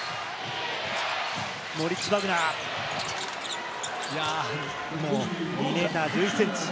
モリッツ・バグナー、２ｍ１１ｃｍ。